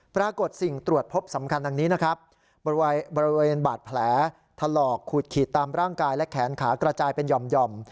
ปรากฏสิ่งตรวจพบสำคัญดังนี้นะครับบริเวณบาดแผลถลอกขูดขีดตามร่างกายและแขนขากระจายเป็นหย่อม